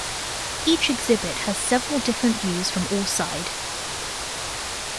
Each exhibit has several different views from all side.